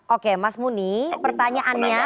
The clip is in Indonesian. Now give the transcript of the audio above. oke mas muni pertanyaannya